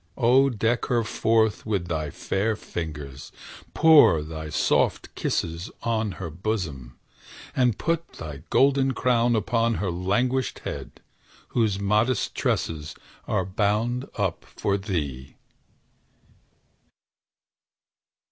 O deck her forth with thy fair fingers; pour Thy soft kisses on her bosom; and put Thy golden crown upon her languished head, Whose modest tresses are bound up for thee!